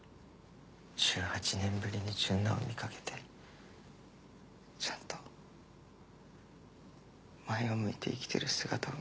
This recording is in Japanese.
１８年ぶりに純奈を見かけてちゃんと前を向いて生きてる姿を見て。